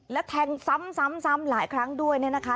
และแทงซ้ำซ้ำหลายครั้งด้วยนะคะ